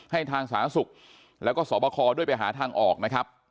ทางสาธารณสุขแล้วก็สอบคอด้วยไปหาทางออกนะครับ